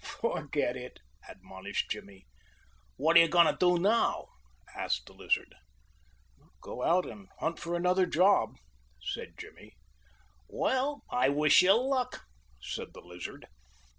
"Forget it," admonished Jimmy. "What are you going to do now?" asked the Lizard. "Go out and hunt for another job," said Jimmy. "Well, I wish you luck," said the Lizard.